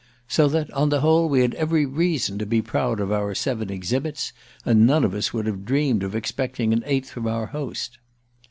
So that, on the whole, we had every reason to be proud of our seven "exhibits," and none of us would have dreamed of expecting an eighth from our host.